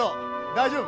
大丈夫。